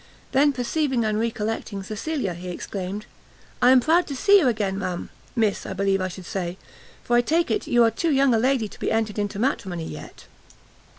Then perceiving and recollecting Cecilia, he exclaimed "I am proud to see you again, ma'am, Miss, I believe I should say, for I take it you are too young a lady to be entered into matrimony yet."